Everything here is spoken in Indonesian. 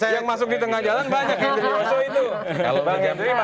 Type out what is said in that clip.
saya yang masuk di tengah jalan banyak yang jadi anggota pansus itu